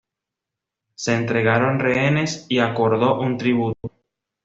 Se entregaron rehenes y acordó un tributo.